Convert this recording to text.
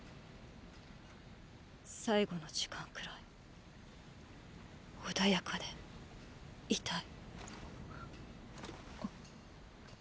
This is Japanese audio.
最期の時間くらい穏やかでいたい。